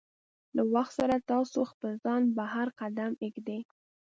له وخت سره ستاسو خپل ځان بهر قدم ږدي.